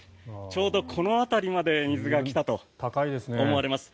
ちょうどこの辺りまで水が来たと思われます。